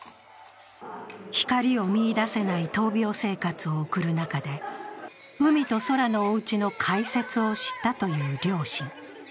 光を見いだせない闘病生活を送る中で、うみとそらのおうちの開設を知ったという両親。